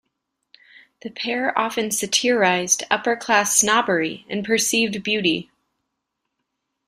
The pair often satirized upper class snobbery and perceived beauty.